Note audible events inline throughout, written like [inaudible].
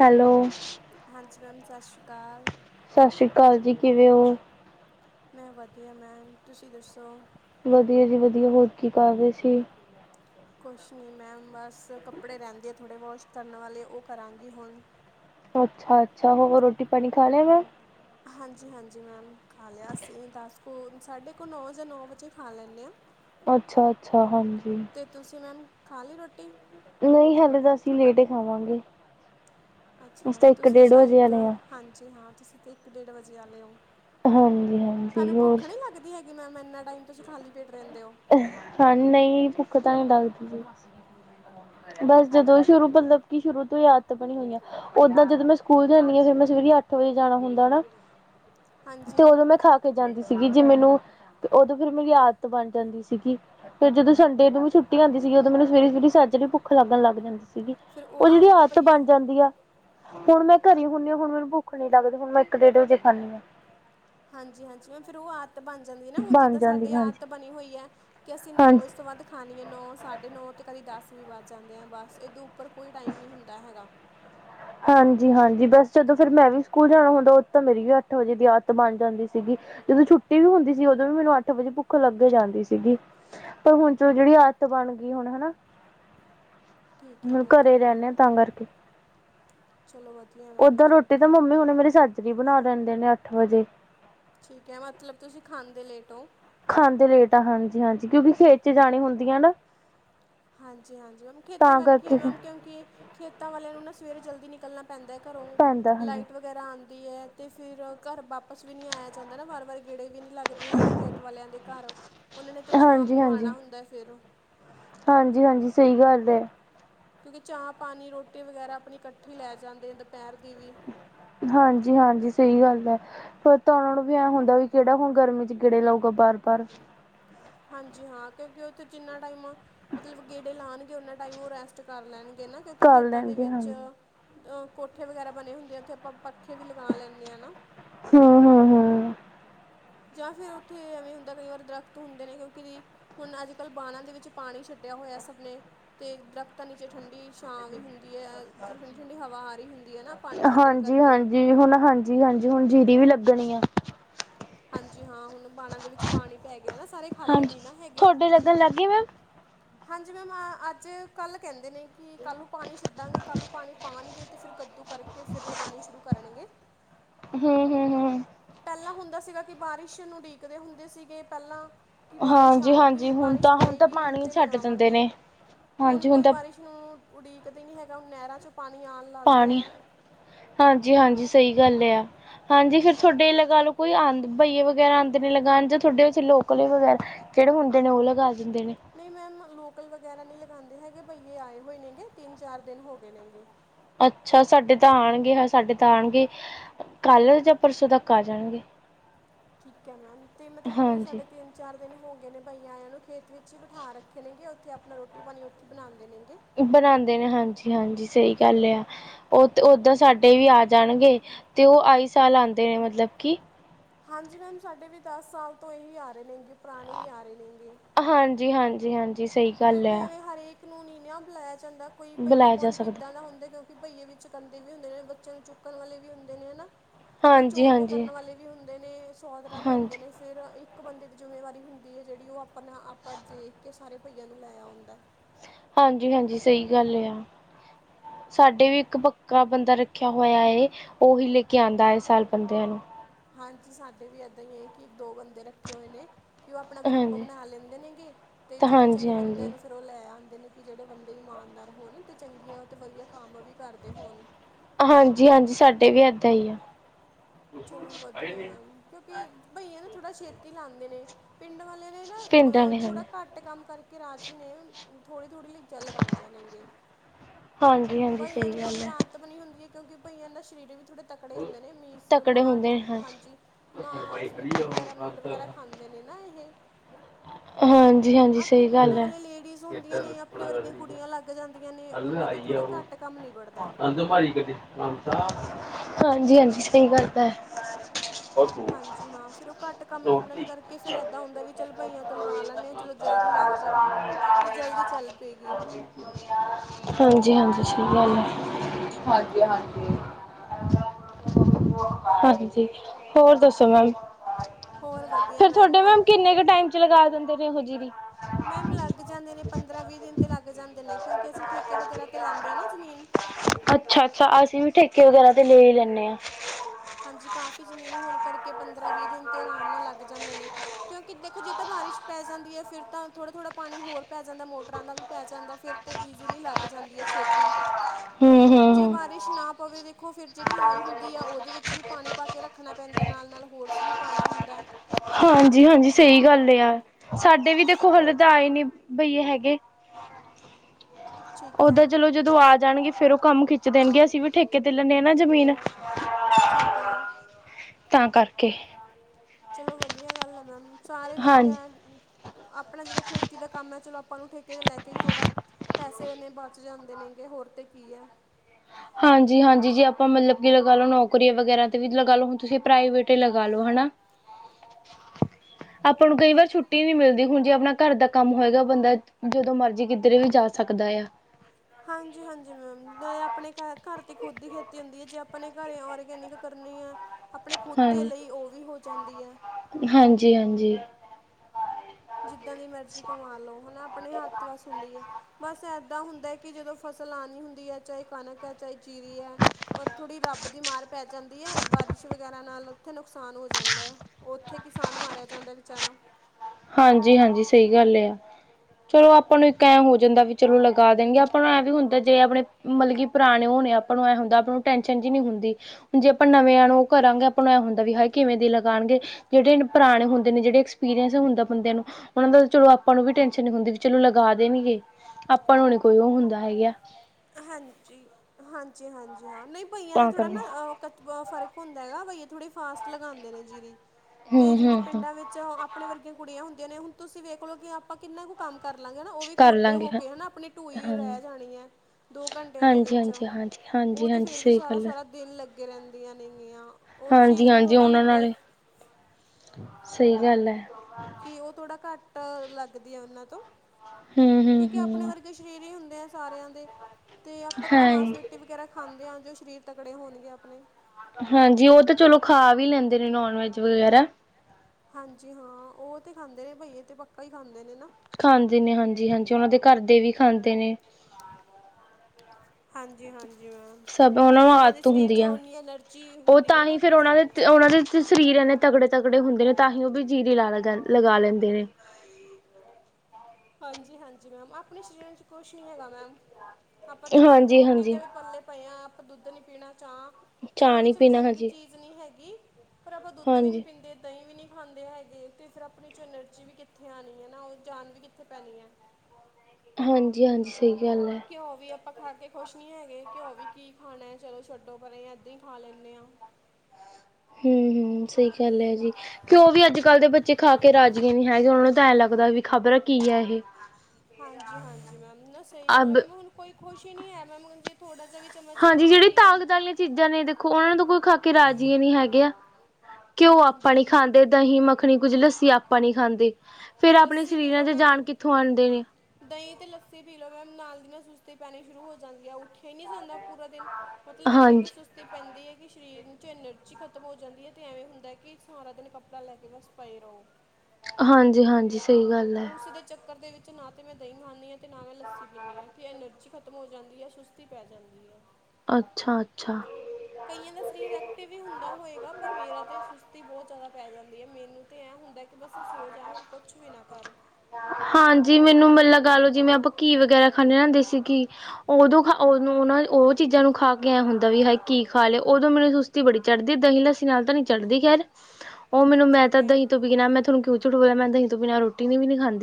Hello, ਸਤਿ ਸ਼੍ਰੀ ਅਕਾਲ। ਸਸ ਰੀ ਅਕਾਲ ਜੀ ਕਿਵੇਂ ਹੋ? ਮੈਂ ਵਧੀਆ ਮੈਮ ਤੁਸੀਂ ਦੱਸੋ ਵਧੀਆ ਜੀ ਵਧੀਆ, ਹੋਰ ਕੀ ਕਰ ਰਹੇ ਸੀ। ਕੁਛ ਨੀ ਮੈਮ ਬਸ ਕੱਪੜੇ ਰਹਿੰਦੇ ਆ ਥੋੜੇ ਵਾਸ਼ ਕਰਨ ਵਾਲੇ ਉਹ ਕਰਾਂਗੀ ਹੁਣ। ਅੱਛਾ, ਅੱਛਾ ਹੋਰ ਰੋਟੀ ਪਾਣੀ ਖਾ ਲਿਆ ਮੈਂਮ। ਹਾਂਜੀ-ਹਾਂਜੀ ਮੈਮ ਖਾ ਲਿਆ, ਅਸੀਂ ਦਸ ਕੋ ਸਾਡੇ ਕੋਲ ਨੌ ਜਾਂ ਨੌ ਵਜੇ ਖਾ ਲੈਂਦੇ ਆਂ। ਅੱਛਾ, ਅੱਛਾ ਹਾਂਜੀ। ਖਾਲੀ ਰੋਟੀ। ਨਹੀਂ ਹਲੇੇ ਤਾਂ ਅਸੀਂ ਲੇਟ ਏ ਖਾਵਾਂਗੇ। ਅੱਛਾ ਤੁਸੀਂ ਸ਼ਾਇਦ ਹਾਂਜੀ ਹਾਂ ਤੁਸੀਂ ਤੇ ਇੱਕ ਡੇਢ ਵਜੇ ਪਿਆਲਿਓ ਹਾਂਜੀ, ਹਾਂਜੀ ਹੋਰ ਮੈਮ ਇੰਨਾ ਟਾਈਮ ਤੁਸੀਂ ਖਾਲੀ ਪੇਟ ਹਾਂ ਨਹੀਂ ਭੁੱਖ ਨੀ ਲੱਗਦੀ ਸੀ ਬਸ ਜਦੋਂ ਸ਼ੁਰੂ ਮਤਲਬ ਕਿ ਸ਼ੁਰੂ ਤੋਂ ਆਦਤ ਬਣੀ ਹੋਈ ਆ ਓਦਾਂ ਜਦੋਂ ਮੈਂ ਸਕੂਲ ਜਾਂਦੀ ਹਾਂ ਫਿਰ ਮੈਂ ਸਵੇਰੇ ਅੱਠ ਵਜੇ ਜਾਣਾ ਹੁੰਦਾ ਹਨਾ। ਤੇ ਉਦੋਂ ਮੈਂ ਖਾ ਕੇ ਜਾਂਦੀ ਸੀ। ਸੀਗੀ ਜੇ ਮੈਨੂੰ ਤੇ ਉਦੋਂ ਫਿਰ ਮੇਰੀ ਆਦਤ ਬਣ ਜਾਂਦੀ ਸੀ ਗੀ ਜਦੋਂ ਸੰਡੇ ਨੂੰ ਵੀ ਛੁਟੀ ਆਂਦੀ ਸੀ ਉਦੋਂ ਮੈਨੂੰ ਸਵੇਰੇ ਸਵੇਰੇ ਸਾਜਰੇ ਭੁੱਖ ਲੱਗਣ ਲੱਗ ਜਾਂਦੀ ਸੀ। ਸੀਗੀ ਉਹ ਜਿਹੜੀ ਆਦਤ ਬਣ ਜਾਂਦੀ ਆ। ਹੁਣ ਮੈਂ ਘਰੇ ਹੁੰਦੀ ਹਾਂ ਹੁਣ ਮੈਨੂੰ ਭੁੱਖ ਨੀ ਲੱਗਦੀ ਹੁਣ ਮੈਂ ਇੱਕ ਡੇਢ ਵਜੇ ਖਾਂਨੀ ਆ। ਹਾਂਜੀ-ਹਾਂਜੀ ਮੈਂ ਫਿਰ ਉਹ ਆ, ਬਣ ਜਾਂਦੀ ਨਾ ਹੁਣ ਜਿੱਦਾਂ ਸਾਡੀ ਯਾਦਤ ਬਣੀ ਹੋਈ ਹੈ ਕਿ ਅਸੀਂ ਨੌ ਵਜੇ ਤੋਂ ਬਾਅਦ ਖਾਣੀ ਹੈ ਨੌ ਸਾਢੇ ਨੌ ਤੇ ਕਦੀ ਦਸ, ਵੀ ਵੱਧ ਜਾਂਦੇ ਆ ਬਸ ਇਹਦੇ ਉੱਪਰ ਕੋਈ ਟਾਈਮ ਨਹੀਂ ਹੁੰਦਾ ਹੈਗਾ। ਹਾਂਜੀ ਹਾਂਜੀ ਬਸ ਜਦੋਂ ਫਿਰ ਮੈਂ ਵੀ ਸਕੂਲ ਜਾਣਾ ਹੁੰਦਾ ਉਦੋਂ ਤਾਂ ਮੇਰੀ ਵੀ ਅੱਠ ਵਜੇ ਦੀ ਆਦਤ ਬਣ ਜਾਂਦੀ ਸੀਗੀ ਜਦੋਂ ਛੁੱਟੀ ਵੀ ਹੁੰਦੀ ਸੀ ਉਦੋਂ ਵੀ ਮੈਨੂੰ ਅੱਠ ਵਜੇ ਭੁੱਖ ਲੱਗੇ ਜਾਂਦੀ ਸੀਗੀ ਪਰ ਹੁਣ ਚ ਜਿਹੜੀ ਆਦਤ ਬਣ ਗਈ ਹੁਣ ਹਨਾ। ਘਰੇ ਰਹਿਨੇ ਆ ਤਾਂ ਕਰਕੇ, ਓਦਾਂ ਰੋਟੀ ਤਾਂ ਮੰਮੀ ਹੁਣੇ ਮੇਰੀ ਸੱਜਰੀ ਬਣਾ ਲਈ, ਦੇ ਨੇ ਅੱਠ ਵਜੇ, ਠੀਕ ਹੈ ਮਤਲਬ ਤੁਸੀਂ ਖਾਂਦੇ ਲੇਟ ਹੋ, ਖਾਂਦੇ ਲੇਟ ਆ ਹਾਂਜੀ-ਹਾਂਜੀ ਕਿਉਂਕਿ ਖੇਤ ਚ ਜਾਣੀ ਹੁੰਦੀ ਆ ਨਾ, ਹਾਂਜੀ-ਹਾਂਜੀ, ਮੈ ਖੇਤਾਂ ਕਰਕੇ ਆ ਮੈਮ ਕਿਉਂਕਿ, ਖੇਤਾਂ ਵਾਲਿਆਂ ਨੂੰ ਨਾ ਸਵੇਰੇ ਜਲਦੀ ਨਿਕਲਣਾ, ਪੈਂਦਾ ਘਰੋਂ ਲਾਈਟ ਵਗੈਰਾ ਆ ਤੇ ਫਿਰ ਘਰ ਵਾਪਸ ਵੀ ਨੀ ਆਇਆ ਜਾਂਦਾ ਨਾ ਵਾਰ ਵਾਰ, ਕਿੜੇ ਵੀ ਨੀ ਲੱਗਦੇ ਹੈਗੇ ਖੇਤ ਵਾਲਿਆਂ ਦੇ ਘਰ, ਉਹਨਾਂ ਨੇ ਤੇ ਸ਼ਾਮ ਨੂੰ ਆਣਾ ਹੁੰਦਾ ਫਿਰ, ਹਾਂਜੀ-ਹਾਂਜੀ ਸਹੀ ਗੱਲ ਐ ਕਿਉਂਕਿ ਚਾਹ ਪਾਣੀ ਰੋਟੀ ਵਗੈਰਾ ਆਪਣੀ ਇਕੱਠੀ ਲੈ ਜਾਂਦੇ ਆ ਦੁਪਹਿਰ ਦੀ ਵੀ, ਹਾਂਜੀ-ਹਾਂਜੀ ਸਹੀ ਗੱਲ ਹੈ ਫੇਰ ਤਾਂ ਉਹਨਾਂ ਨੂੰ ਵੀ ਐਂ ਹੁੰਦਾ ਵੀ ਕਿਹੜਾ ਹੁਣ ਗਰਮੀ ਚ ਗੇੜੇ ਲਊਗਾ ਬਾਰ ਬਾਰ, ਹਾਂਜੀ ਹਾਂ ਕਿਉਂਕਿ ਉੱਥੇ ਜਿੰਨਾ ਟਾਈਮ ਮਤਲਬ ਗੇੜੇ ਲਾਣਗੇ ਉਹਨਾ ਟਾਈਮ ਉਹ ਰੈਸਟ ਕਰ ਲੈਣਗੇ। ਗੇ ਨਾ ਕਿਉਂਕਿ ਖੇਤਾਂ ਦੇ ਵਿੱਚ, ਕੋਠੇ ਵਗੈਰਾ ਬਣੇ ਹੁੰਦੇ ਆ ਉੱਥੇ ਆਪਾਂ ਪੱਖੀ, ਵੀ ਲਗਾ ਲੈਂਦੇ ਆ ਨਾ। ਜਾਂ ਫਿਰ ਉੱਥੇ ਐਵੇਂ ਹੁੰਦਾ ਕਈ ਵਾਰ ਦਰਖਤ ਹੁੰਦੇ ਨੇ ਕਿਉਂਕਿ ਹੁਣ ਅੱਜ ਕੱਲ੍ਹ ਬਾਨਾ ਦੇ ਵਿੱਚ ਪਾਣੀ ਛੱਡਿਆ ਹੋਇਆ ਸਭ ਨੇ ਤੇ ਦਰਖਤਾਂ ਨੀਚੇ ਠੰਡੀ ਛਾਂ ਵੀ ਹੁੰ ਹਾਂਜੀ-ਹਾਂਜੀ ਹੁਣ ਹਾਂਜੀ-ਹਾਂਜੀ ਹੁਣ ਜੀਰੀ ਵੀ ਲੱਗੀ। ਲਗਣੀਆਂ। ਹਾਂਜੀ ਹਾਂ ਹੁਣ ਬਾਣਾਂ ਦੇ ਵਿੱਚ ਪਾਣੀ ਪੈ ਕੇ। ਹਾਂਜੀ ਤੁਹਾਡੇ ਲਗਣ ਲੱਗ ਗਈ ਮੈਮ, ਹਾਂਜੀ ਮੈਮ ਅੱਜ ਕੱਲ ਕਹਿੰਦੇ ਨੇ ਕਿ ਕੱਲ ਨੂੰ ਪਾਣੀ ਛੱਡਾਂਗੇ ਕੱਲ੍ਹ ਨੂੰ ਪਾਣੀ ਪਾਣਗੇ ਤੇ ਫਿਰ ਕੱਦੂ ਕਰਕੇ ਫਿਰ ਲਗਾਣੀ ਸ਼ੁਰੂ ਕਰਨਗੇ। ਹੂੰ-ਹੂੰ-ਹੂੰ, ਪਹਿਲਾਂ ਹੁੰਦਾ ਸੀਗਾ ਕਿ ਬਾਰਿਸ਼ ਨੂੰ ਉਡੀਕਦੇ ਹੁੰਦੇ ਸੀਗੇ ਪਹਿਲਾਂ ਕਿ ਬਾਰਿਸ਼ ਆਏਗੀ ਬਾਰਿਸ਼ ਪਏਗੀ ਤੇ ਲਗਾਵਾਂਗੇ ਹੁਣ ਕੋਈ ਬਾਰਿਸ਼ ਨੂੰ ਉਡੀਕਦੇ ਨੀ ਹੈਗਾ। ਨਹਿਰਾਂ ਚ, ਪਾਣੀ ਹਾਂਜੀ-ਹਾਂਜੀ, ਸਹੀ ਗੱਲ ਆ ਹਾਂਜੀ ਫਿਰ ਤੁਹਾਡੇ ਲਗਾ ਲਓ ਕੋਈ ਆ ਬਈਏ ਵਗੈਰਾ ਆ। ਲਗਾਣ ਜਾਂ ਤੁਹਾਡੇ ਉੇ ਲੋਕਲ ਆ। ਵਗੈਰਾ ਜਿਹੜੇ ਹੁੰਦੇ ਨੇ ਉਹ ਲਗਾ ਨਹੀਂ ਮੈਮ ਲੋਕਲ ਵਗੈਰਾ ਨਹੀਂ ਲਗ ਕਹਿੰਦੇ ਹੈਗੇ ਬਈਏ ਆਏ ਹੋਏ ਨੇਗੇ ਤਿੰਨ ਚਾਰ ਦਿਨ ਹੋ ਗਏ ਨੇਗੇ। ਅੱਛਾ ਸਾਡੇ ਤਾਂ ਆਣਗੇ ਹਾਂ, ਸਾਡੇ ਤਾਂ ਆਣਗੇ ਕੱਲ ਜਾਂ ਪਰਸੋਂ ਤੱਕ ਆ ਜਾਣਗੇ। ਠੀਕ ਹੈ ਮੈਮ ਤੇ ਮਤਲਬ ਨਹੀਂ ਸਾਡੇ ਤਿੰਨ ਚਾਰ ਦਿਨ ਹੋ ਗੇ। ਨੇ ਬਈਆ ਆਇਆਂ ਨੂੰ। ਖੇਤ ਵਿੱਚ ਹੀ ਬਿਠਾ ਰੱਖੇ ਨੇਗੇ ਉਹ ਉਥੇ ਆਪਣਾ ਰੋਟੀ ਪਾਣੀ ਉੱਥੇ ਬਣਾਂਦੇ ਨੇ। ਬਣਾਂਦੇ ਨੇ ਹਾਂਜੀ- ਹਾਂਜੀ ਸਹੀ ਗੱਲ ਆ ਉਹ ਤੇ ਓਦਾਂ ਸਾਡੇ ਵੀ ਆ ਜਾਣਗੇ ਤੇ ਉਹ ਆਈ ਸਾਲ ਆਉਂਦੇ ਨੇ ਮਤਲਬ ਕਿ ਹਾਂਜੀ ਮੈਮ ਸਾਡੇ ਵੀ ਦਸ ਸਾਲ ਤੋਂ ਇਹੀ ਆ ਰਹੇ ਨੇ। ਹਾਂਜੀ- ਹਾਂਜੀ- ਹਾਂਜੀ। ਜੀ ਸਹੀ ਗੱਲ ਐ। ਇਕ ਨੂੰ ਨੀ ਬੁਲਾਇਆ ਸੀ। ਜਾਂਦਾ ਕੋਈ ਭਈਆ ਕੌਣ ਕਿੱਦਾਂ ਦਾ ਹੁੰਦਾ ਕਿਉਂਕਿ ਬਈਏ ਵਿੱਚ ਗੰਦੇ ਵੀ ਹੁੰਦੇ ਨੇ ਬੱਚਿਆਂ ਨੂੰ ਚੁੱਕਣ ਵਾਲੇ ਵੀ ਹੁੰਦੇ ਨੇ ਹਨਾ। ਕੋਈ ਚੋਰੀਆਂ ਕਰਨ ਵਾਲੇ ਵੀ ਹੁੰਦੇ ਨੇ ਸੌ ਤਰ੍ਹਾਂ ਦੇ ਹੁੰਦੇ ਨੇ ਫਿਰ ਇੱਕ ਇੱਕ ਬੰਦੇ ਦੀ ਜ਼ਿੰਮਵਾਰੀ ਹੁੰਦੀ ਹੈ, ਜਿਹੜੀ ਉਹ ਆਪ ਆਪਣਾ ਆਪਾਂ ਜੇ ਕਿਸ ਭਈਆਂ ਨੂੰ ਲੈ ਆਉਂਦਾ। ਹਾਂਜੀ -ਹਾਂਜੀ ਸਹੀ ਗੱਲ ਆ ਸਾਡੇ ਵੀ ਇੱਕ ਪੱਕਾ ਬੰਦਾ ਰੱਖਿਆ ਹੋਇਆ ਏ ਓਹੀ ਲੈਕੇ ਆਉਂਦਾ ਆਏ ਸਾਲ ਬੰਦਿਆਂ ਨੂੰ। ਹਾਂਜੀ ਸਾਡੇ ਵੀ ਏਦਾਂ ਹੀ ਹੈ ਕਿ ਦੋ ਬੰਦੇ ਰੱਖੇ ਹੋਏ ਨੇ। ਕਿ ਉਹ ਆਪਣਾ ਗਰੁੱਪ ਬਣਾ ਲੈਂਦੇ ਨੇ ਗੇ ਤੇ ਚੰਗੇ ਚੰਗੇ ਬੰਦਿਆਂ ਨੂੰ ਫਿਰ ਉਹ ਲੈ ਆਦ ਨੇ ਕਿ ਜਿਹੜੇ ਬੰਦੇ ਇਮਾਨਦਾਰ ਹੋਣ ਤੇ ਚੰਗੀਆਂ ਤੇ ਵਧੀਆ ਕੰਮ ਵੀ ਹਾਂਜੀ -ਹਾਂਜੀ ਸਾਡੇ ਵੀ ਏਦਾ ਸਹੀ ਐ। ਚਲੋ ਵਧੀਆ ਕਿਉਂਕਿ ਬਈਏ ਨਾ ਥੋੜਾ ਛੇਤੀ ਲਾਂਦੇ ਨੇ ਪਿੰਡ ਵਾਲੇ ਨੇ ਨਾ ਥੋੜਾ ਘੱਟ ਕੰਮ ਕਰਕੇ ਰਾਜੀ ਨੇ। ਥੋੜੀ ਥੋੜ੍ਹੀ ਲਿਜਾ ਲਗਾਂਦੇ ਨੇ ਗੇ। ਬਈਆਂ ਨੂੰ ਥੋੜੀ ਆਦਤ ਵੀ ਨਹੀਂ ਹੁੰਦੀ। ਕਿਉਂਕਿ ਬਈਆਂ ਦਾ ਸਰੀਰ ਵੀ ਥੋੜੇ ਤਕੜੇ ਹੁੰਦੇ ਨੇ ਮੀਸ ਮਾ ਹਾਂਜੀ ਮਾਸ ਮਿੱਟੀ ਵਗੈਰਾ ਮੀਟ ਵਗੈਰਾ ਖਾਂਦੇ ਨੇ ਨਾ ਇਹ ਹਾਂਜੀ -ਹਾਂਜੀ ਸਹੀ ਗੱਲ ਹੈ। ਹਾਂਜੀ-ਹਾਂਜੀ ਸਹੀ ਗੱਲ ਐ। ਹਾਂਜੀ ਹਾਂ ਫੇਰ ਉਹ ਘੱਟ ਕੰਮ ਨਿਬਡਨ ਕਰਕੇ ਫੇਰ ਏਦਾਂ ਹੁੰਦਾ ਵੀ। ਹਾਂਜੀ ਹਾਂ। ਹਾਂਜੀ ਹੋਰ ਦੱਸੋ? ਮੈਮ ਫੇਰ ਤੁਹਾਡੇ ਮੈਮ ਕਿੰਨੇ ਕੁ ਕਰਾ ਦਿੰਦੇ ਨੇ ਉਹੋ ਜੀਰੀ, ਮੈਮ ਲੱਗ ਜਾਂਦੇ ਨੇ ਪੰ ਪੰਦਰਾ ਵੀਹ ਦਿਨ, ਤੇ ਲਾਗੇ ਜਾਂਦੇ ਨੇ ਕਿਉਂਕਿ ਅਸੀਂ ਠੇਕੇ ਵਗੈਰਾ ਤੇ ਲੈਂਦੇ ਹਾਂ ਨਾ ਜ਼ਮੀਨ, ਅਤੇ ਲਈ ਲੈਂਨੇ ਆਂ। ਹਾਂਜੀ ਕਾਫ਼ੀ ਜ਼ਮੀਨ ਹੋਣ ਕਰਕੇ ਪੰਦਰਾਂ ਵੀਹ ਦਿਨ ਤੇ ਆਰਾਮ ਨਾਲ ਲੱਗ ਜਾਂਦੇ ਨੇ ਕਿਉਂਕਿ ਦੇਖੋ ਜੇ ਤਾਂ ਬਾਰਿਸ਼ ਪੈ ਜਾਂਦੀ ਹੈ ਫਿਰ ਤਾਂ ਥੋੜਾ-ਥੋੜਾ ਪਾਣੀ ਹੋਰ ਪੈ ਜਾਂਦਾ ਮੋਟਰਾਂ ਦਾ ਵੀ ਪੈ ਜਾਂਦਾ। ਫਿਰ ਤੇ ਈਜ਼ੀਲੀ ਲੱਗ ਜਾਂਦੀ ਹੈ, ਛੇਤੀ ਜੇ ਬਾਰਿਸ਼ ਨਾ ਪਵੇ ਦੇਖੋ ਫਿਰ ਜਿਹੜੀ ਲਾਈ ਹੁੰਦੀ ਹੈ, ਉਹਦੇ ਵ ਵੀ ਪਾਣੀ ਪਾ ਕੇ ਰੱਖਣਾ ਪੈਂਦਾ। ਦੇ ਨਾਲ-ਨਾਲ ਹੋਰ ਚ ਵੀ ਪਾਣਾ ਹੁੰਦਾ ਹੈ। ਹਾਂਜੀ-ਹਾਂਜੀ ਸਹੀ ਗੱਲ ਯਾਰ ਸਾਡੇ ਵੀ ਦੇਖੋ ਹਾਲਤ ਆ ਹੀ ਨੀ ਬਈਏ ਹੈਗੇ। ਉਦਾਂ ਚਲੋ ਜਦੋਂ ਆ ਜਾਣਗੇ ਫੇਰ ਕੰਮ ਖਿੱਚ ਦੇਣਗੇ, ਅਸੀਂ ਵੀ ਠੇਕੇ ਤੇ ਲੈਂਦੇ ਹਾਂ ਨਾ ਜ਼ਮੀਨ। ਠੀਕ ਹੈ। ਤਾਂ ਕਰਕੇ। ਚਲੋ ਵਧੀਆ ਗੱਲ ਆ ਮੈਮ ਸਾਰੇ ਵਧੀਆ ਆਪਣਾ ਜਿਹੜਾ ਖੇਤੀ ਦਾ ਕੰਮ ਹੈ ਚਲੋ ਆਪਾਂ ਨੂੰ ਠੇਕੇ ਦੇ ਲੈ ਕੇ ਹੀ ਥੋੜਾ ਪੈਸੇ ਇਨੇ ਬਚ ਜਾਂਦੇ ਨੇ ਗੇ ਹੋਰ ਤੇ ਕੀ ਹੈ। ਹਾਂਜੀ, ਹਾਂਜੀ ਜੀ ਆਪਾਂ ਮਤਲਬ ਕਿ ਲਗਾ ਲੋ ਨੌਕਰੀਆਂ ਵਗੈਰਾ ਤੇ ਵੀ ਲਗਾ ਲੋ ਹੁਣ ਤੁਸੀਂ ਪ੍ਰਾਈਵੇਟ ਲਗਾ ਲੋ ਹਨਾ। ਆਪਾਂ ਨੂੰ ਕਈ ਵਾਰ ਛੁੱਟੀ ਨੀ ਮਿਲਦੀ ਹੁਣ ਜੇ ਆਪਣਾ ਘਰ ਦਾ ਕੰਮ ਹੋਏਗਾ, ਬੰਦਾ ਜਦੋਂ ਮਰਜੀੀ ਕਿੱਧਰੇ ਵੀ ਜਾ ਸਕਦਾ ਆ। ਹਾਂਜੀ, ਹਾਂਜੀ ਮੈਮ ਆਪਣੇ ਘਰ ਘਰ ਤੇ ਖੁਦ ਦੀ ਖੇਤੀ ਹੁੰਦੀ ਹੈ ਜੇ ਆਪਣੇ ਘਰੇ ਔਰਗੈਨਿਕ ਕਰਨੀ ਹੈ। ਆਪਣੇ ਖੁਦ ਦੇ ਲਈ ਉਹ ਵੀ ਹੋ ਜਾਂਦੀ ਹੈ। ਜਿੱਦਾਂ ਦੀ ਮਰਜ਼ੀ ਕਮਾ ਲਓ ਹਨਾ ਆਪਣੇ ਹੱਥ ਬਸ ਹੁੰਦੀ ਹੈ ਬਸ ਇਦ ਇੱਦਾਂ ਹੁੰਦਾ ਕਿ ਜਦੋਂ ਫਸਲ ਆਉਣੀ ਹੁੰਦੀ ਹੈ, ਚਾਹੇ ਕਣਕ ਹੈ ਚਾਹੇ ਚੀਰੀ ਹੈ, ਔਰ ਥੋੜ੍ਹੀ ਰੱਬ ਦੀ ਮਾਰ ਪੈ ਜਾਂਦੀ ਹੈ ਬਾਰਿਸ਼ ਵਗੈਰਾ ਨਾਲ ਉੱਥੇ ਨੁਕਸਾਨ ਹੋ ਜਾਂਦਾ ਹੈ ਉੱਥੇ ਕਿਸਾਨ ਮਾਰਿਆ ਜਾਂਦਾ ਵਿਚਾਰਾ। ਹਾਂਜੀ-ਹਾਂਜੀ ਸਹੀ ਗੱਲ ਆ ਚਲੋ ਆਪਾਂ ਨੂੰ ਇੱਕ ਐਂ ਹੋ ਜਾਂਦਾ ਵੀ ਚਲੋ ਲਗਾ ਦੇਣਗੇ ਆਪਾਂ ਨੂੰ ਐ ਵੀ ਹੁੰਦਾ ਜੇ ਆਪਣੇ ਮਤਲਬ ਕਿ ਪੁਰਾਣੇ ਹੋਣੇ ਆਪਾਂ ਨੂੰ ਐਂ ਹੁੰਦਾ ਆਪਾਂ ਨੂੰ ਟੈਨਸ਼ਨ ਜੀ ਨੀ ਹੁੰਦੀ ਹੁਣ ਜੇ ਆਪਾਂ ਨਵੇਂ ਆ ਨੂੰ ਉਹ ਕਰਾਂਗੇ ਆਪਾਂ ਨੂੰ ਇਹ ਹੁੰਦਾ ਵੀ ਹ ਕਿਵੇਂ ਦੇ ਲਗਾਣਗੇ ਜਿਹੜੇ ਪੁਰਾਣੇ ਹੁੰਦੇ ਨੇ ਜਿਹੜੇ ਐਕਸਪੀਰੀਅੰਸ ਹੁ ਬੰਦਿਆਂ ਨੂੰ ਉਹਨਾਂ ਦਾ ਚਲੋ ਆਪਾਂ ਨੂੰ ਵੀ ਟੈਸ਼ਨ ਨੀ ਹੁੰਦੀ ਵੀ ਚਲੋ ਲਗਾ ਦੇਣਗੇ, ਆਪਾਂ ਨੂੰ ਨੀ ਕੋਈ ਉਹ ਹੁੰਦਾ ਹੈਗਾ। ਹਾਂਜੀ-ਹਾਂਜੀ-ਹਾਂਜੀ। ਹਾਂ ਨਹੀਂ ਪਾਈਆਂ ਦਾ ਥੋੜਾ ਨਾ ਫਰਕ ਹੁੰਦਾ ਹੈਗਾ ਬਾਈਏ ਥੋੜੇ ਫਾਸਟ ਲਗਾਉਂਦੇ ਨੇ ਜੀਰੀ ਤੇ ਜਿਹੜੇ ਪਿੰਡਾਂ ਵਿੱਚ ਆਪਣੇ ਵਰਗੀਆਂ ਕੁੜੀਆਂ ਹੁੰ ਨੇ ਹੁਣ ਤੁਸੀਂ ਵੇਖਲੋ ਕਿ ਆਪਾਂ ਕਿੰਨਾ ਕੁ ਕੰਮ ਕਰ ਲਾਂਗੇ ਨਾ। ਉਹ ਵੀ ਕੋਡੇ ਹੋ ਕੇ ਹਨਾ ਆਪਣੀ ਟੂਈ ਰਹਿ ਜਾਣੀ ਹੈ। ਦੋ ਘੰਟਿਆਂ ਦੇ ਵਿੱਚ ਉਹ ਤਾਂ ਫਿਰ ਵੀ ਸਾਰਾ ਸਾਰਾ ਦਿਨ ਲੱਗੇ ਰਹਿੰਦੇ [unintelligible] ਹਾਂਜੀ, ਹਾਂਜੀ। ਉਹਨਾਂ ਨਾਲੇ। ਸਹੀ ਗੱਲ ਹੈ। ਕਿ ਉਹ ਥੋੜਾ ਘੱਟ ਲੱਗਦੀ ਆ ਉਹਨਾਂ ਤੋਂ। ਕਿਉਂਕਿ ਆਪਣੇ ਵਰਗੇ ਸਰੀਰ ਹੀ ਹੁੰਦੇ ਸਾਰਿਆਂ ਦੇ। ਤੇ ਆਪਾਂ [unintelligible] ਆ ਜੋ ਸਰੀਰ ਤਕੜੇ ਹੋਣਗੇ ਆਪਣੇ। ਹਾਂਜੀ। ਉਹ ਤਾਂ ਚਲੋ ਖਾ ਵੀ ਲੈਂਦੇ ਨੇ ਨੋਨ ਵੈਜ ਵਗੈਰਾ। ਹਾਂਜੀ। ਹਾਂ। ਉਹ ਤੇ ਖਾਂਦੇ ਨੇ ਬਾਈ ਤੇ ਪੱਕਾ ਹੀ ਖਾਂਦੇ। ਖੜੇ ਨੇ। ਹਾਂਜੀ, ਹਾਂਜੀ। ਉਹਨਾਂ ਦੇ ਘਰਦੇ ਵੀ ਖਾਂਦੇ ਨੇ। ਹਾਂਜੀ ਹਾਂਜੀ ਸਭ ਉਹਨਾਂ ਨੂੰ ਆਦਤ ਹੁੰਦੀ ਹੈ ਉਹ ਤਾਂ ਹੀ ਫੇਿਰ ਉਹਨਾਂ ਦੇ ਉਹਨਾਂ ਦੇ ਸਰੀਰ ਇਹਨੇ ਤਗੜੇ ਤਗੜੇ ਹੁੰਦੇ ਨੇ ਤਾਂਹੀ ਉਹ ਵੀ ਜੀਰੀ ਲਾ ਲ ਲਗਾ ਲੈਂਦੇ ਨੇ ਹਾਂਜੀ ਹਾਂਜੀ ਮੈਮ ਆਪਣੇ ਸਰੀਰਾਂ ' ਕੁਛ ਨਹੀਂ ਹੈਗਾ ਮੈਮ ਆਪਾਂ ਤਾਂ ਅਸੀਂ ਇੱਕ ਰੋਟੀ ਦੇ ਵੀ ਪੱਲੇ ਪਏ ਹ ਦੁੱਧ ਨੀ ਪੀਣਾ ਚਾਹ ਚਾਹ ਵੀ ਚਲੋ ਚੰਗੀ ਚੀਜ਼ ਨਹੀਂੀ ਹੈਗੀ ਪਰ ਆਪਾਂ ਦੁੱਧ ਵੀ ਨੀ ਪੀਂਦੇ ਦਹੀਂ ਵੀ ਨਹੀਂੀ ਖਾਂਦੇ ਹੈਗੇ ਤੇ ਫਿਰ ਆਪਣੇ ਚ ਐਨਰਜੀ ਵੀ ਕਿੱਥੇ ਆਉਣੀ ਹੈ ਨਾ ਉਹ ਜਾਨ ਵੀ ਕਿੱ ਕਿੱਥੇ ਪੈਣੀਆਂ ਹਾਂਜੀ ਹਾਂਜੀ ਸਹੀ ਗੱਲ ਹੈ ਆਪਾਂ ਖਾ ਕੇ ਖੁਸ਼ ਨੀ ਹੈਗੇ ਕਿ ਉਹ ਵੀ ਕੀ ਖਾਣਾ ਚਲੋ ਛੱਡੋ ਪਰੇ ਏਦਾਂ ਹੀ ਖਾ ਲੈਂਦੇ ਹਾਂ ਹਮ ਹਮ ਸਹੀ ਗੱਲ ਹੈ ਜੀ ਕਿਉ ਵੀ ਅੱਜ ਕੱਲ੍ਹ ਦੇ ਬੱਚੇ ਖਾ ਕੇ ਰਾਜ ਗਏ ਨੀ ਹੈਗੇ ਉਹ ਨੂੰ ਤਾਂ ਐ ਲੱਗਦਾ ਵੀ ਖ਼ਬਰ ਕੀ ਹੈ ਇਹ ਹਾਂਜੀ ਹਾਂਜੀ ਮੈਮ ਨਾ ਸਹੀ ਗੱਲ ਹੈ ਮੈ ਹੁਣ ਕੋਈ ਖੁਸ਼ ਨੀ ਹੈ ਮੈ ਜੇ ਥੋੜਾ ਹਾਂਜੀ ਜਿਹੜੀ ਤਾਕਤ ਵਾਲੀਆਂ ਚੀਜ਼ਾਂ ਨੇ ਦੇਖੋ ਉਹਨਾਂ ਤੋਂ ਕੋਈ ਖਾ ਕੇ ਰਾਜੀੀ ਨਹੀਂੀ ਹੈਗੇ ਆ ਘਿਓ ਆਪਾਂ ਨੀ ਖਾਂਦੇ ਦਹੀਂ ਮੱਖਣੀ ਕੁੱਝ ਲੱ ਅਸੀਂ ਆਪਾਂ ਨਹੀਂ ਖਾਂਦੇ ਫੇਿਰ ਆਪਣੇ ਸਰੀਰਾਂ ਚ ਜਾਨ ਕਿੱਥੋਂ ਆਣਦੇ ਨੇ ਤੇ ਲੱਸੀ ਪੀ ਲਓ ਮੈਮ ਨਾਲ ਦੀ ਨਾਲ ਸੁਸਤੀ ਪੈਣੀ ਸ਼ੁਰੂ ਹੋ ਜਾਂਦੀ ਆ ਉੱਠਿਆ ਨਹੀਂ ਜਾਂਦਾ ਪੂਰਾ ਦਿਨ ਮਤਲਬ ਇੰਨੀ ਕੁ ਸੁਸਤੀ ਪੈਂਦੀ ਹੈ। ਕਿ ਸਰੀਰ ਚ ਐਨਰਜੀ ਖਤਮ ਹੋ ਜਾਂਦੀ ਹੈ ਤੇ ਐਵੇਂ ਹੁੰਦਾ ਹੈ ਕਿ ਸਾਰਾ ਦਿਨ ਕੱਪੜਾ ਲੈ ਕੇ ਬਸ ਪਏ ਰਹੋ। ਹਾਂਜੀ ਹਾਂਜੀ। ਉਹ ਉਸ ਦੇ ਚੱਕਰ ਦੇ ਵਿੱਚ ਨਾ ਤੇ ਮੈਂ ਦਹੀਂ ਖਾਣੀ ਹਾਂ। ਤੇ ਨਾ ਲੱਸੀ ਪੀਨੀ ਹਾਂ ਕਿ ਐਨਰਜੀ ਖ਼ਤਮ ਹੋ ਜਾਂਦੀ ਹੈ ਸੁਸਤੀ ਪੈ ਜਾਂਦੀ ਹੈ। ਅੱਛਾ ਅੱਛਾ। ਕਈਆਂ ਦਾ ਸਰੀਰ ਐਕਟਿਵ ਵੀ ਹੁੰਦਾ ਹੋਏਗਾ ਪਰ ਮੇਰਾ ਤੇ ਸੁਸਤੀ ਬਹੁਤ ਜ਼ਿਆਦਾ ਪੈ ਜਾਂਦੀ ਹੈ ਮੈਨੂੰ ਤੇ ਹੁੰਦਾ ਬਸ ਸੋ ਜਾ ਆ ਹੁਣ ਕੁਛ ਵੀ ਨਾ ਕਰ। ਲਗਾ ਲਓ ਜਿਵੇਂ ਆਪਾਂ ਘੀ ਵਗੈਰਾ ਖਾਂਦੇ ਹੁੰਦੇ ਸੀ ਘੀ ਉਦੋਂ ਖਾ ਉਦੋਂ ਉਹ ਚੀਜ਼ਾਂ ਨੂੰ ਖਾ ਕੇ ਐਂ ਹੁੰਦਾ ਵੀ ਹ ਕੀ ਖਾ ਲਏ ਉਦੋਂ ਮੈਨੂੰ ਸੁਸਤੀ ਬੜੀ ਚੜ੍ਹਦੀ ਦਹੀਂ ਲੱਸੀ ਨਾਲ ਤਾਂ ਨਹੀਂ ਚੜਦੀ ਖੈਰ ਉਹ ਮੈਨੂੰ ਮੈਂ ਤਾਂ ਦਹੀਂ ਤੋਂ ਬਿਨਾਂ ਮੈਂ ਮੈਂ ਦਹੀਂ ਤੋ ਬਿਨਾ ਰੋਟੀ ਨੀ ਖਾਂਦੀ।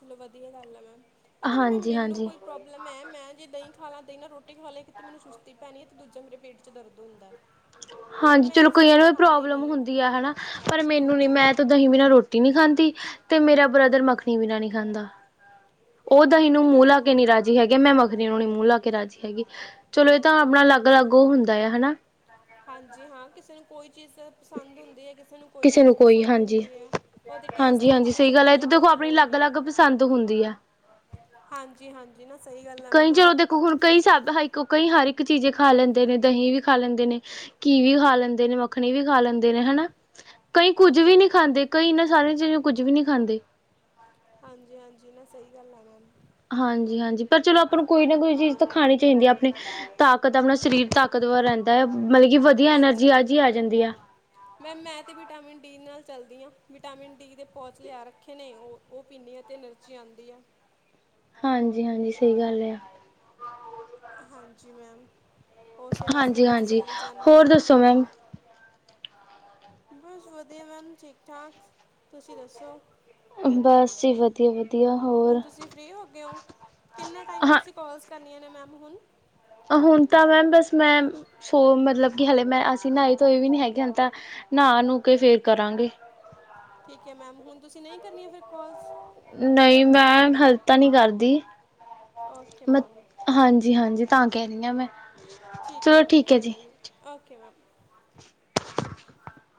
ਚਲੋ ਵਧੀਆ ਗੱਲ ਆ ਮੈਮ ਪਤਾ ਨੀ ਮੈਂ ਮੈਨੂੰ ਕੋਈ ਪ੍ਰੋਬਲਮ ਹੈ ਮੈਂ ਜੇ ਦਹੀਂ ਖਾਣਾ ਦੇਈ ਨਾ ਰੋਟੀ ਖਾ ਲ ਲਈ ਕਿਤੇ ਮੈਨੂੰ ਸੁਸਤੀ ਪੈਣੀ ਅਤੇ ਦਜਾ ਮੇਰੇ ਪੇਟ 'ਚ ਦਰਦ ਹੁੰਦਾ। ਹਾਂਜੀ ਚਲੋ ਕਈਆਂ ਨੂੰ ਪ੍ਰੋਬਲਮ ਹੁੰਦੀ ਹੈ ਹਨਾ ਪਰ ਮੈਨੂੰ ਨੀ ਮੈਂ ਤੇ ਦਹੀਂ ਮਹੀਨਾ ਰੋਟੀ ਨਹੀਂ ਖਾਂਦੀ। ਤੇ ਮੇਰਾ ਬ੍ਰਦਰ ਮੱਖਣੀ ਬਿਨਾਂ ਨਹੀਂ ਖਾਂਦਾ। ਉਹ ਦਹੀ ਨੂੰ ਮੂੰਹ ਲਾ ਕੇ ਨੀ ਰਾਜੀ ਹੈਗੇ ਮੈਂ ਉਹ ਨੇ ਮੂੰਹ ਆ ਕੇ ਰਾਜੀ ਹੈਗੀ। ਚਲੋ ਇਹ ਤਾਂ ਆਪਣਾ ਅਲੱਗ ਅਲੱਗ ਉਹ ਹੁੰਦਾ ਆ ਹਨਾ। ਕੋਈ ਚੀਜ਼ ਪਸੰਦ ਹੁੰਦੀ ਹੈ ਕਿ ਕਿਸੇ ਨੂੰ ਕੋਈ ਚੀਜ਼ ਪਸੰਦ ਹੁੰਦੀ ਹੈ ਉਹਦੇ ਟੇਸਟ ਹੈ ਜਿਹਨੂੰ ਚੰਗਾ ਲੱਗਿਆ ਚਲੋ ਹੀ ਹੈ ਹਾਂਜੀ ਹਾਂਜੀ ਨਾ ਕਈ ਚਲੋ ਦੇਖੋ ਹੁਣ ਕਈ ਸਾਬ ਹ ਕਈ ਹਰ ਚੀਜ਼ ਖਾ ਲੈਂਦੇ ਨੇ ਦਹੀਂ ਵੀ ਖਾ ਲੈਂਦੇ ਨੇ ਘੀ ਵੀ ਖਾ ਲੈਂਦੇ ਨੇ ਮੱਖਣੀ ਵੀ ਖਾ ਲੈਂਦੇ ਨੇ ਹਨਾ। ਕਈ ਕੁੱਝ ਵੀ ਨਹੀਂ ਖਾਂਦੇ ਕਈ ਇਹਨਾਂ ਸਾਰੀਆਂ ਚੀਜ਼ਾਂ ਕੁੱਝ ਵੀ ਨਹੀਂ ਖਾਂਦੇ। ਹਾਂਜੀ ਹਾਂਜੀ ਸਹੀ ਗੱਲ ਆ ਮੈਮ ਹਾਂਜੀ ਹਾਂਜੀ ਪਰ ਚਲੋ ਆਪਾਂ ਨੂੰ ਕੋਈ ਨਾ ਕੋਈ ਚੀਜ਼ ਤਾਂ ਖਾਣੀ ਚਾਹੀਦੀ ਹੈ ਆਪਣੀ ਤਾਕਤ ਆਪਣਾ ਸਰੀਰ ਤਾਕਤਵਰ ਰਹਿੰਦਾ ਐ। ਮਤਲਬ ਕਿ ਵਧੀਆ ਐਨਰਜੀ ਆ ਜ ਹੀ ਆ ਜਾਂਦੀ ਆ। ਮੈਮ ਮੈਂ ਤਾਂ ਵਿਟਾਮਿਨ ਡੀ ਨਾਲ ਚੱਲਦੀ ਹਾਂ ਵਿਟਾਮਿਨ ਡੀ ਦੇ ਪੌਚ ਲਿਆ ਰੱਖੇ ਨੇ ਉਹ ਉਹ ਪੀਂਦੀ ਹਾਂ ਅਤੇ ਐਨਰਜੀ ਆਦੀ ਹੈ। ਹਾਂਜੀ ਹਾਂਜੀ ਸਹੀ ਗੱਲ ਆ। ਹਾਂਜੀ ਮੈਮ ਹਾਂਜੀ ਹਾਂਜੀ ਹੋਰ ਦੱਸੋ ਮੈਮ। ਬਸ ਵਧੀਆ ਮੈਮ ਠੀਕ ਠਾਕ ਤੁਸੀਂ ਦੱਸੋ। ਬਸ ਜੀ ਵਧੀਆ ਵਧੀਆ, ਹੁਣ ਤੁਸੀਂ ਫ੍ਰੀ ਹੋ ਗਏ ਹੋ ਕਿੰਨਾ ਟਾਈਮ ਤੁਸੀਂ ਕਾਲਸ? ਕਰਨੀਆਂ ਨੇ ਮੈਮ ਹੁਣ ਹੁਣ ਤਾਂ ਮੈਮ ਬਸ ਮੈਂ ਸੋ ਮਤਲਬ ਕਿ ਹਲੇ ਮੈਂ ਅਸੀਂ ਨਹਾਏ ਤੋਂਏ ਵੀ ਨੀ ਹੈਗੇ ਹਨ ਤਾਂ ਨਹਾ ਨੂੰ ਕੇ ਫੇਰ ਕਰਾਂਗੇ। ਠੀਕ ਹੈ ਮੈਮ ਹੁਣ ਤੁਸੀਂ ਨਹੀਂ ਕਰਨੀਆਂ ਫਿਰ ਕੋਲਸ। ਨਹੀਂ ਮੈਂ ਹਲਤ ਨੀ ਕਰਦੀ। ਮ ਹਾਂਜੀ-ਹਾਂਜੀ, ਤਾਂ ਕਹਿ ਰਹੀ ਹਾਂ ਮੈਂ, ਠੀਕ ਹੈ ਮੈਮ ਕੋਈ ਗੱਲ ਨਹੀਂ ਓਕੇ ਮੈਮ, [unintelligible]